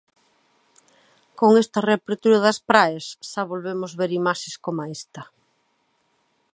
Con esta reapertura das praias xa volvemos ver imaxes coma esta.